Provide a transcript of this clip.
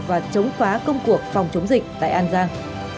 và chống phá công cuộc phòng chống dịch tại an giang